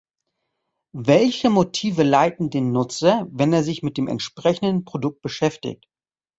Welche Motive leiten den Nutzer, wenn er sich mit dem entsprechenden Produkt beschäftigt?